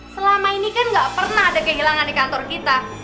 selama ini kan gak pernah ada kehilangan di kantor kita